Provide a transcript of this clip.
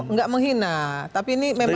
nggak menghina tapi ini memang